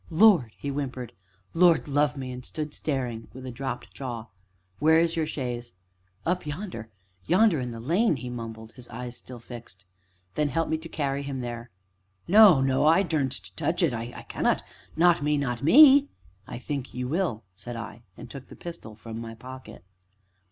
"Lord!" he whimpered, "Lord love me!" and stood staring, with dropped jaw. "Where is your chaise?" "Up yonder yonder in the lane," he mumbled, his eyes still fixed. "Then help me to carry him there." "No, no I dursn't touch it I can't not me not me!" "I think you will," said I, and took the pistol from my pocket.